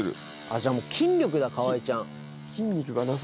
じゃあもう筋力だ河合ちゃん。